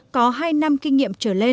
có hai năm kinh nghiệm trở lên